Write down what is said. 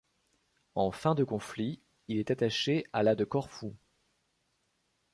En fin de conflit, il est attaché à la de Corfou.